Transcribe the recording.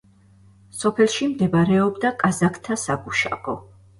სოფელში მდებარეობდა კაზაკთა საგუშაგო.